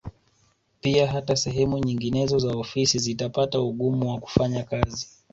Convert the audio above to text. Pia hata sehemu nyinginezo za ofisi zitapata ugumu wa kufanya kazi